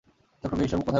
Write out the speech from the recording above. চক্রকে ঈশ্বর কোথায় বলল?